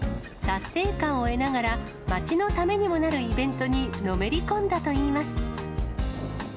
達成感を得ながら、街のためにもなるイベントにのめり込んだといいます。